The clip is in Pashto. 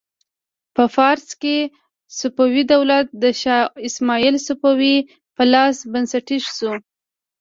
په فارس کې صفوي دولت د شا اسماعیل صفوي په لاس بنسټیز شو.